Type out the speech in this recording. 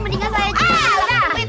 mendingan saya jual lah duit